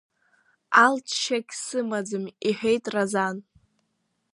Алҵшьагь сымаӡам, – иҳәеит Разан.